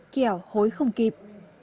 kẻo hối không kịp